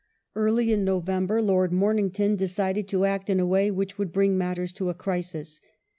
Early in November Lord Momington decided to act in a way which would bring matters to a crisis.